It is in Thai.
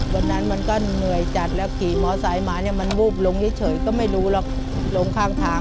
มันก็เหนื่อยจัดแล้วขี่มอไซค์มาเนี่ยมันวูบลงเฉยก็ไม่รู้หรอกลงข้างทาง